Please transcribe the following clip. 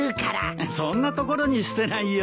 そんな所に捨てないよ。